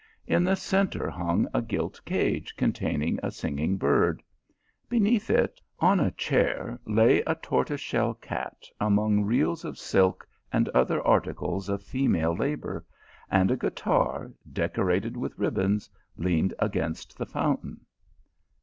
In the centre hung a gilt cage con taining a singing bird ; beneath it, on a chair, lay a tortoise shell cat among reels of silk and other articles of female labour, and a guitar, decorated with ribands, leaned against the fountain.